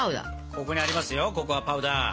ここにありますよココアパウダー。